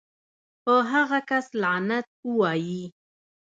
پۀ هغه کس لعنت اووائې